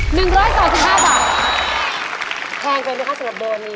หนึ่งร้อยสักสิบห้าบาทแพงไปมั้ยคะส่วนค่ะตัวนี้